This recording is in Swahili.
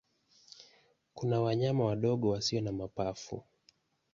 Kuna wanyama wadogo wasio na mapafu.